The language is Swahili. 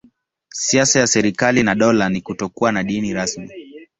Siasa ya serikali na dola ni kutokuwa na dini rasmi.